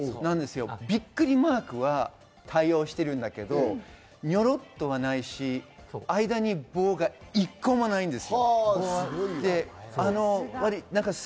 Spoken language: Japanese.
ビックリマークは対応しているんだけど、「」とかはないし、間に棒が１個もないです。